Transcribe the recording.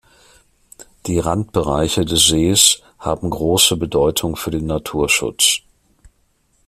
Die Randbereiche des Sees haben große Bedeutung für den Naturschutz.